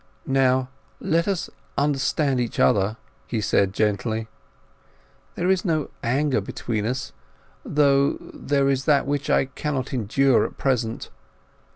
"Now, let us understand each other," he said gently. "There is no anger between us, though there is that which I cannot endure at present.